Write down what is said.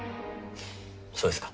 そうですか。